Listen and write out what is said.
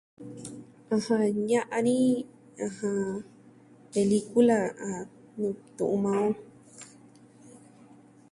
Ɨjɨn, ña'an ni... ɨjɨn, pelikula, ah, nuu tu'un maa on.